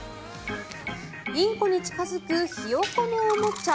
インコに近付くヒヨコのおもちゃ。